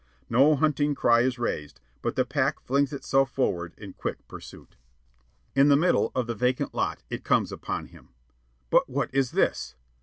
No hunting cry is raised, but the pack flings itself forward in quick pursuit. In the middle of the vacant lot it comes upon him. But what is this?